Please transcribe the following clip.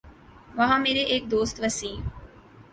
وہاں میرے ایک دوست وسیم